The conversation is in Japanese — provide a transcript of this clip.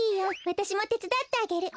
わたしもてつだってあげる。